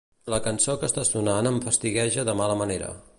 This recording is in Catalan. La cançó que està sonant em fastigueja de mala manera.